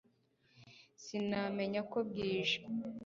sinamenye ko bwije